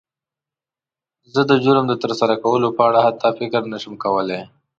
زه د جرم د تر سره کولو په اړه حتی فکر نه شم کولی.